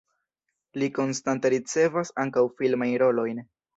Li konstante ricevas ankaŭ filmajn rolojn.